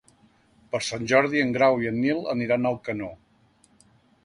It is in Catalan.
Per Sant Jordi en Grau i en Nil aniran a Alcanó.